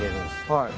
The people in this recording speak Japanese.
はい。